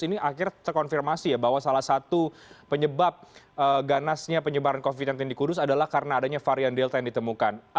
ini akhirnya terkonfirmasi ya bahwa salah satu penyebab ganasnya penyebaran covid sembilan belas di kudus adalah karena adanya varian delta yang ditemukan